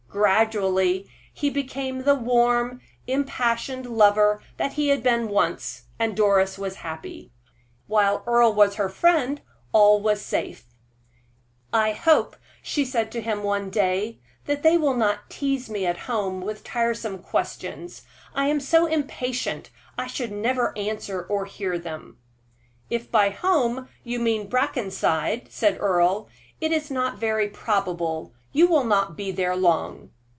Gradually he became the warm, impassioned lover that he had been once, and Doris was happy. While Earle was her friend all was safe. "I hope," she said to him one day, "that they will not tease me at home with tiresome questions; I am so impatient, I should never answer or hear them." "If by home you mean Brackenside," said Earle, "it is not very probable; you will not be there long."